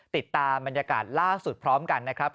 ติดตามบรรยากาศล่าสุดพร้อมกันนะครับ